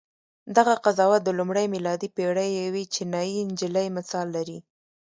دغه قضاوت د لومړۍ میلادي پېړۍ یوې چینایي نجلۍ مثال لري.